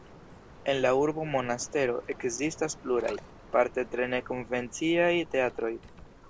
En la urbo Monastero ekzistas pluraj, parte tre ne-konvenciaj, teatroj.